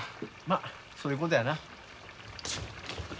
まそういうことやな。